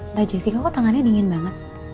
mbak jessica kok tangannya dingin banget